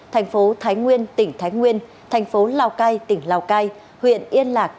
thành phố thái nguyên tỉnh thái nguyên thành phố lào cai tỉnh lào cai huyện yên lạc